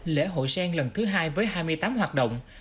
lễ hội sen lần thứ hai với hai mươi tám hoạt động